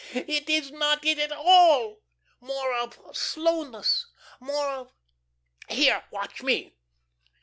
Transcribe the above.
No, no. It is not it at all. More of slowness, more of Here, watch me."